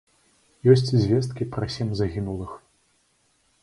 Ёсць звесткі пра сем загінулых.